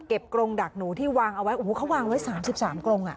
กรงดักหนูที่วางเอาไว้โอ้โหเขาวางไว้๓๓กรงอ่ะ